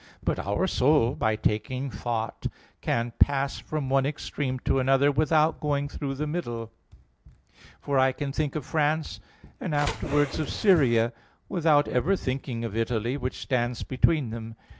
But our soul by taking thought can pass from one extreme to another without going through the middle: for I can think of France and afterwards of Syria, without ever thinking of Italy, which stands between them.